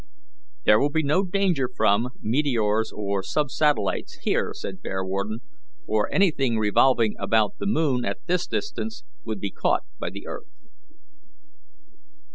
"There will be no danger from, meteors or sub satellites here," said Bearwarden, "for anything revolving about the moon at this distance would be caught by the earth."